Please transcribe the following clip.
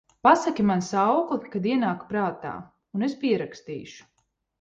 Pasaki man saukli, kad ienāk prātā, un es pierakstīšu…